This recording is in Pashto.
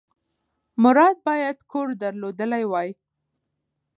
مراد باید کور درلودلی وای.